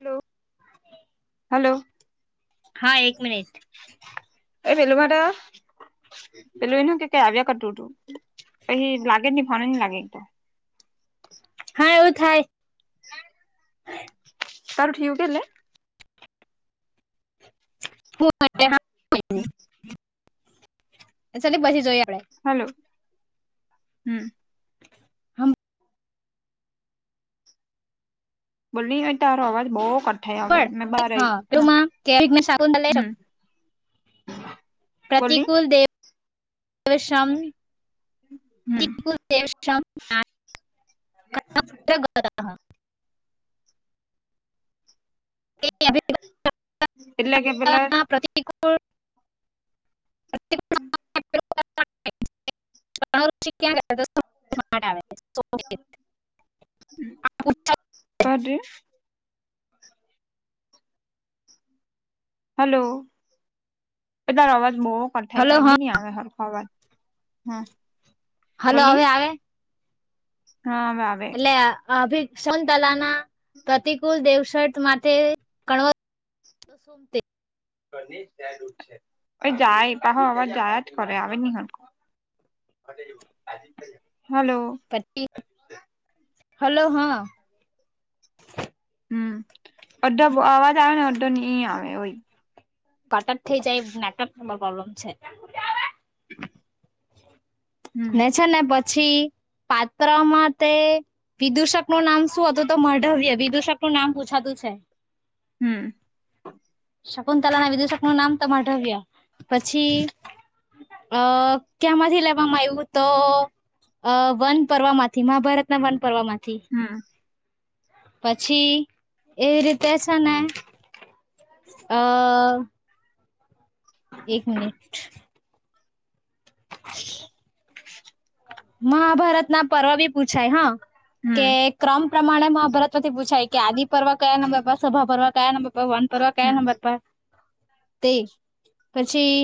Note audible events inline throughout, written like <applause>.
Hello, hello. હા એક minute એ પેલું માટે પેલું એને કે ક આવ્યા કરતું તું પછી લાગે જ નહીં ફોને ન લાગે એક તો. <inaudible> હા એવું થાય. તારું થીયું કિલ્લે <inaudible> ચલે પછી જોયા હલો હમ્મ. હમ્મ. બોલીને યાર તારો આવાજ બહો કટ થાય આવે. હંભળ મેં બાર આઈ હા પેલુંમાં કે વિઘ્ન શાકુંતલે હમ્મ. પ્રતિકૂલ દેવ દેશમ. હમ <inaudible> હા. એટલે કે પેલા અભિપ્રાયમાં <inaudible> <inaudible> આવે. કહતી <inaudible> હલો બે તારો અવાજ બો કટ થાય. હલો કઈ બી હા નહી આવે હરખો અવાજ. હા. હલો, બોલની હવે આવે? હા હવે આવે. અભિશું તલા ના પ્રતિકૂલ દેવશટ માટે કણવ તો શુમ તે એ જાય બા હ આવાજ જાયાજ કરે, આવે નહીં હરકુ. હલો. પછી હલો હા. <inaudible> હમ અડધો અવાજ આવે ને અડધો નહી આવે હોય. કટર થઇ જાએ નેટવર્ક પ્રોબ્લેમ છે. <inaudible> હમ ને છે ને પછી પાત્રા માં તે વિદુષક નું નામ શું હતું તો મડવય વિદુષક નું નામ પૂછાતું છે. હમ્મ. શકુંંતલા ના વિદુેશક નું નામ તમાઢવ્યા પછી અહ ક્યામાંથી લેવામાં આવ્યું તો અહ વન પર્વ માંથી મહાભારતના વન પર્વ માં હમ્મ. પછી એવી રીતે છે ને અહ એક મિનિટ <inaudible> મહાભારત ના પર્વ બી પૂછાય હા કે હમ ક્રમ પ્રમાણે મહાભારત. થી પૂછાય કે આદિ પર્વા કયા નંબર પર સભા પર્વા કયા નંબર પર વાન પર્વા કયા હમ નંબર પર. તે પછી.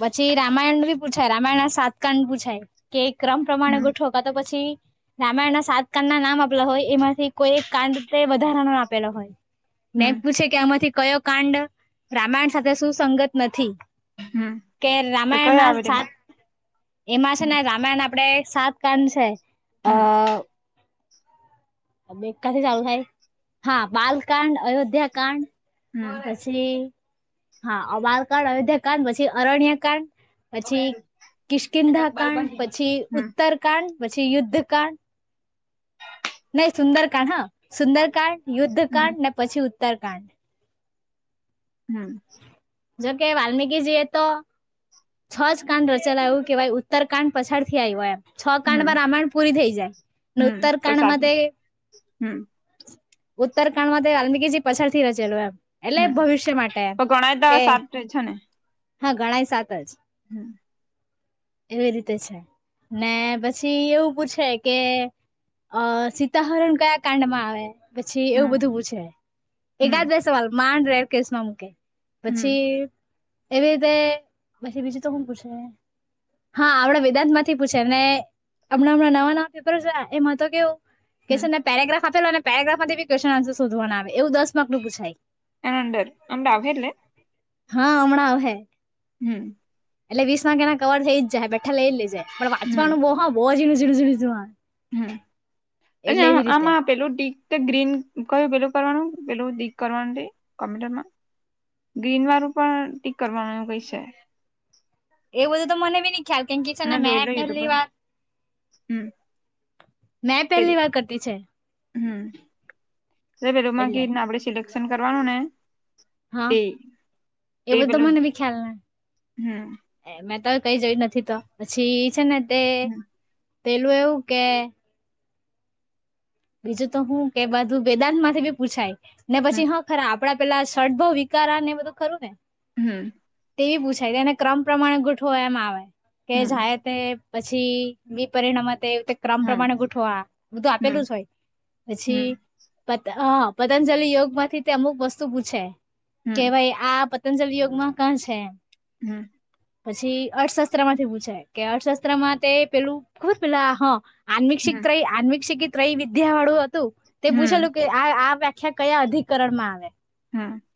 પછી રામાયણ ભી પૂછાય રામાયણ ના સાતકાંડ પૂછાય કે. ક્રમ પ્રમાણે હમ ગોઠવો કા તો પછી. રામાયણ ના સાત કાંડ ના નામ આપલા હોય એમાંથી કોઈ એક કાંડ વધારાનો આપેલો હોય. નેમ હમ પૂછે કે આમાંથી કયો કાંડ રામાયણ સાથે સુુંસંગત નથી હમ કે તો કઈ રામાયણમાં આવે તેમાં સાત એમાં છે, હમ ને રામાયણ આપડે સાત <unintelligible> છે. હમ આ <unintelligible> હા બાલકાંડ અયોધ્યા કાંડ. હમ પછી હા અમારકાાંડ અયોધ્યા કાંડ પછી અરણ્ય કાંડ. પછી કિશકિંધા કાંડ પછી હમ <unintelligible> પછી યુદ્ધ કાડ નહી સુંદરકાંડ હા. સુંદરકાંડ હમ <unintelligible> ને પછી ઉત્તરકાંડ. <unintelligible> જોકે <unintelligible> એ તો છ જ કાંડ રચેલા એવું કેહેવાય ઉત્તર કાંડ પછાડ નથી આવી હોય એમ છ હમ કાંડમાં રામાયણ પૂરી થઈ જાય હમ ઉત્તર તો કાંડ માં તે. સાતમાં હમ ઉત્તરખંડ માં તે <unintelligible> પાછળ થી રચેલો એમ. એટલે હમ ભવિષ્ય માટે તો ગણાય તો કે સાત છે ને હા ગણાય સાત જ. હમ એવી રીતે છે, ને પછી એવું પૂછે કે. અ સીતાહરણ કયા કાંડમાં. આવે પછી એવું હમ બધું પૂછે હમ એકાદ બે સવાલ માંડ રે કેસ માં મૂકે. હમ પછી એવી રીતે પછી બીજું તો શું પૂછે. હા આપણા વેદાંત માંથી પૂછે ને હમણાં હમણાં નવા નવા પેપર છે, એમાં તો કેવું. હમ <unintelligible> આપેલો અને પેરાગ્રાફમાં ક્વેશ્ન આન્સ શોવા ના આવે એવું દસર્ક નું પૂછાય. એનંદર <unintelligible> હા હમણાં <unintelligible> હમ એટલે વીસમાં એના કવર થઈ જાય બેઠા લઈ જ લઈ જાય પણ હમ વાચવાનું બહ બહુ જું હમ અને <unintelligible> આમાં <unintelligible> ગ્રીન કય પેલું કરવાનું પેલું દીક કરવાનું કોમ્યટરમાં. ગ્રીન વારું પણ ટીક કરવાનું કઈ છે. એ બધું તો મને બી નઈ ખ્યાલ કેમ કે છે, ને મેં મે જોઈ લઉં યુટ્યુબ પહેલી પર વાર. હમ મેં તે પેલી વાત કરતી છે. હમ પેલોમાં એટલે કને આપડ સિલેક્શન કરવાનું ને. હા તે એ તે બધું તો પેલું મને બી ખ્યાલ હમ <unintelligible> મે તો. કઈ જોઈ નથી તો પછી છે ને તે હમ પેલું એવું કે. બીજું તો હું ક બાધું વેદાંત માંથી બી પૂછાય ને હમ પછી હા ખરા. આપડા પેલા શર્ટ બઉ વિકારા ને એ બધું ખરું ને. હમ. એવી પૂછાય તેને ક્રમ પ્રમાણે ગોઠવો એમ આવે કે જાય તે. પછી બી પરિણામ તે ક્રમ પ્રમાણે ગોઠવા બધું આપેલું જ હોય. પછી <unintelligible> પતંજલિ યોગ માંથી તે અમુક વસ્તુ પૂછે. કે ભાઈ આ પતંજલ યયોગમાં <unintelligible> છે. હમ. પછી અર્થશાસ્ત્ર માંથી પૂછે કે અર્થશાસ્ત્રમાં તે પેલું ખબર પેલા <unintelligible> <unintelligible> વિદ્યા વાળું હતું તે પૂછેલું કે આ. <unintelligible> કયા અધિકરણ માં આવે. હા <unintelligible>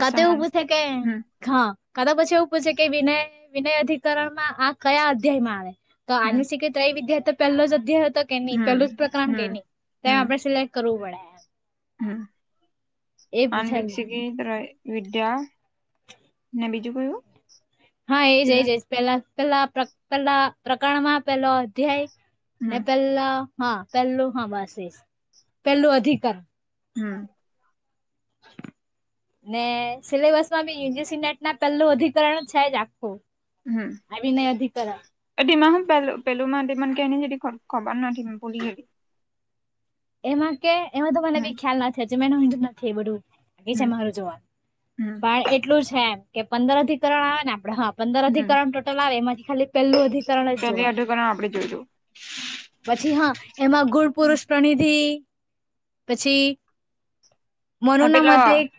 કતે ઉ બુ થ કે હા કા તો પછી એવું પૂછે કે વિનય વિનય અધિકરણમાં આ કયા અધ્યાય માં આવે તો આનુ શિકે ત્રય વિદ્યાર પહેલો જ અધ્ય તો કે નહી પેલું જ પ્રકરણ કે નહી એમ આપડે સિલેક્ટ કરવું પડે એમ. હમ એ આન પૂછાયું વક્ષકી તર વિદ્યા ને બીજું કયું હા એજ એજ એજ પેલા પેલા પેલા પ્રકરણમાં પેલો અધ્યાય ને હમ પેલા હા પેલું હા વાસી પેલું અધિકારણ હમ <inaudible> ને સિલેબસ માં બી યુ. જી. સી નેટ ના પહેલું અધિકરણ છે જ આખું હમ અભિનય અધિકરણ અભીમાં હું પેલું પેલુંમાં અભીમાંન કેને જેટી ખ ખબર નાઠી મું ભૂલી ગઈ એમાં કે એમાં તો મને બી હમ ખ્યાલ નથી મે <unintelligible> હ નથી બધું બાગી છે હમ મારું જોવાનું હમ પણ એટલું છે એમ કે પંદર અઘીકરણ આવે ને આપડે હ પંદર હમ અધિકરણ ટોટલ આવે એમાંથી ખાલી પહેલું અધિકરણ જ પેલી જોવાનું અઢકરણ આપડે જોઈશું પછી હા એમાં ગુળ પુરુષ થી પછી મનુ ના પેલા મતે એક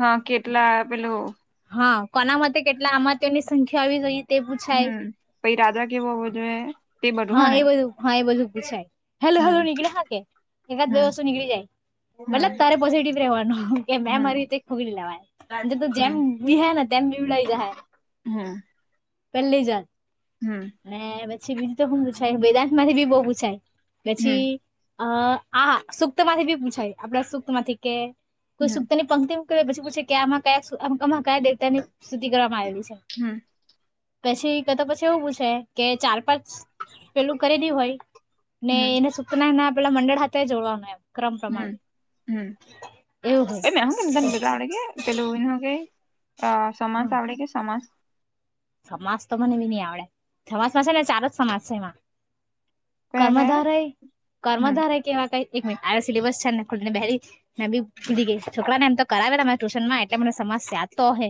હા કેટલા પેલો હા કોના માટે કેટલા આમાં તેઓની સંખ્યા આવી ગઈ હમ પઇ રાદા કેવો હોવો જોઈએ તે હા એ હને બધું હા એ બધું પૂછાય હેલો હમ હેલો નીકળે હા કે એકાદ બે હમ વસ્તુ નીળી જાય મતલબ હમ તારે પોઝિટિવ રવાનું કે મેં હમ મારી રીતે ખોલી લેવાય જેમ ભીહાયને એમ બીવડાઈ જાય હમ પેલીજ વાર હું અને પછી બીજું તો હું પૂછાય વ બેદાંત માંથી બી બહુ પૂછાય પછી અ આ સુક્ત માંથી બી પૂછાય આપડ સુક્ત માંથી કે કોઈ સુક્ત ની પંક્તિ કર પછી પૂછે કે આમાં કયા કયા દેવતા ની સ્તુતિ કરવામાં આવેલી છે પછી કતો પછી એવું પૂછે કે ચાર પાંચ પેલું કરેદી હોય ને એને સતનાય ના પેલા મંડળ હાથે જોડવાનું એમ ક્રમ હમ પ્રમાણે હમ એવું <unintelligible> હોય હ મે હ કેમ તને બેગડાડે કે પેલું કે અ સમાજ આવડે કે સમાજ સમાજ તો મને બી નહી આવડે સમાજમાં છે ને ચાર અજ સમાજ છે એમાં કયા કયા કર્મધારે હમ કર્મધાર કેવાક એક મિનટ આ સિલેબસ છે ને ખુલીનેલી મે બી ભૂલી ગઈ છોકરા નેમ તો કરાવે ત ટ્યુશનમાં એટલે મ <unintelligible> યા તો હે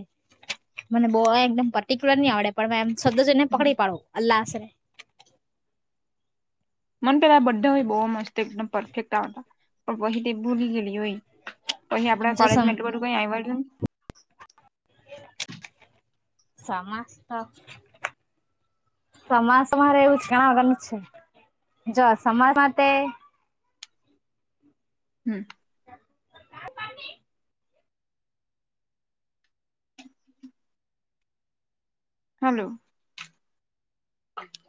મને બ એકમ પ્યુલર નહી આવડે પણ મે એમ સબ્દ જને હમ. પકડી પાડું અલ્લાહશરે <unintelligible> મન પેલા બડા હોય બહુ મસ્ત એકદમ પરફેક્ટ આ પણ વહી તે ભૂલી ગેલી હોય તો અહી આપડા જો કોલેજ સમ મેટ્રું કઈ આવડ ને સમસ્ સમાસમાંરે એવું છે ઘણા વગરનું છે જો સમાજમાં હમ ક પાને હલો અચ <unintelligible>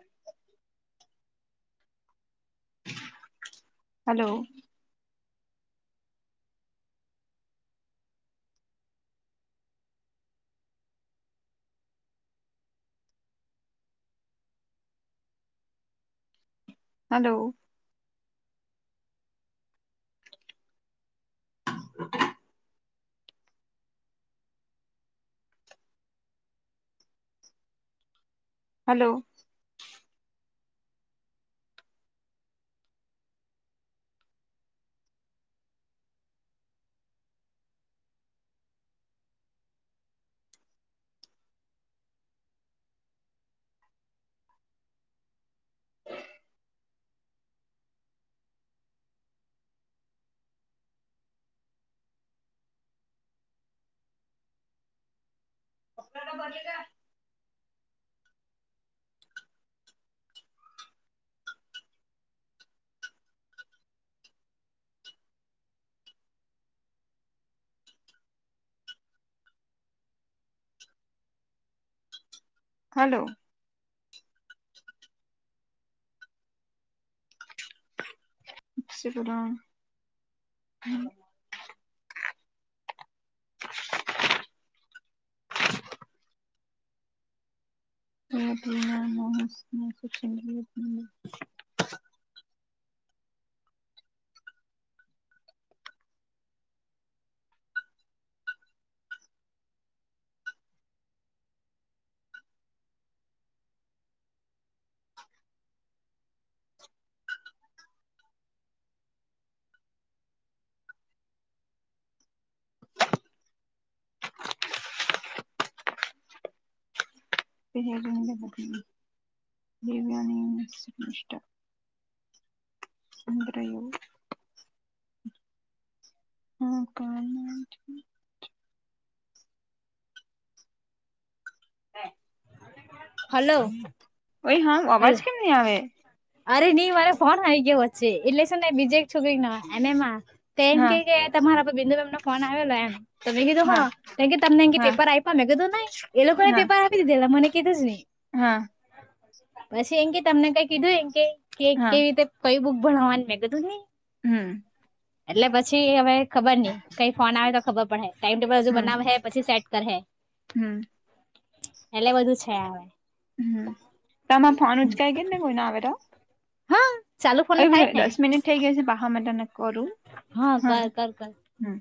હલો હલો. કે હલો. <unintelligible> હલો. <unintelligible> <unintelligible> <unintelligible> અંદરયો હા <unintelligible> હલો ભય હા, હલ અવાજ કેમ નહી, આવે અરે નઈ મારે ફોન આવીઈ ગયો, વચ્ચે એટલે શું ને બીજે એક છોકરી એનેમાં તો એમ હા કે કે તમારા બિંદુનનો ફોન, આવેલો એમ તમે કીધું હા, તો કે તમને અ હા પેપર આપ્યા મે કધ ન એ લોકોને હા પેપર આપી દીધે મને કીધું જ નઈ હા. પછી, એમ કે તમને કઈ કીધું એમ કે હા કેવી રીતે કય બુક ભણવાનું મેં કીધું નઈ હમ્મ એટલે પછી હવે ખબર નહ કઈ, ફોન આવે તો ખબર પડે ટાઈમ ટેબલ હજુ બનાવે હે, પછી સેટ કરે હમ્મ. એટલે બધું છે, આવે તોમાં ફોન ઉચકા ગ ને કોઈ ના આવે, તો હા ચાલુ અ ફોન બ થાય ને દસ મિનિટ થઈ ગયા છે, પાહા માટે ન કરું, હા કર ના કર કર હમ્મ